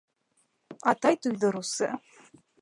Атай туйҙырыусы.